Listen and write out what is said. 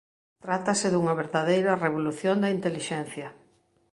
Trátase dunha verdadeira "Revolución da Intelixencia".